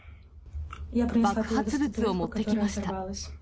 爆発物を持ってきました。